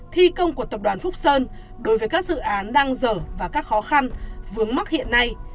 thi công của tập đoàn phúc sơn đối với các dự án đang dở và các khó khăn vướng mắc hiện nay